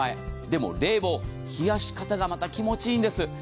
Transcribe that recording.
でも冷房、冷やし方がまた気持ちいいんです。